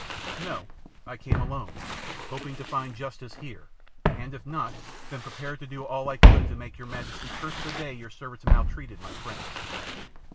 "No, I came alone, hoping to find justice here, and, if not, then prepared to do all I could to make your majesty curse the day your servants maltreated my friends."